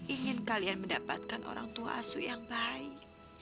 ingin kalian mendapatkan orang tua asu yang baik